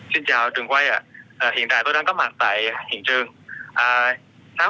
xin chào trường quay hiện tại tôi đang có mặt tại hiện trường